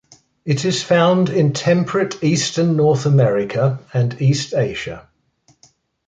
It is found in temperate eastern North America and East Asia.